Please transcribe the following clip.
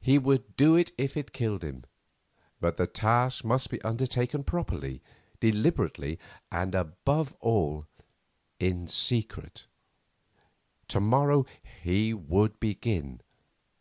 He would do it if it killed him; but the task must be undertaken properly, deliberately, and above all in secret. To morrow he would begin.